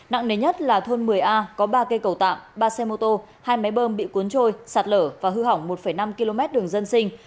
nặng nề nhất là thôn một mươi a có ba cây cầu tạm ba xe mô tô hai máy bơm bị cuốn trôi sạt lở và hư hỏng một năm km đường dân sinh